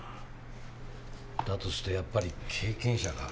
だとするとやっぱり経験者か。